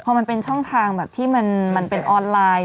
พอมันเป็นช่องทางแบบที่มันเป็นออนไลน์